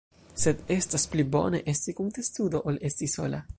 Sed estas pli bone esti kun testudo ol esti sola.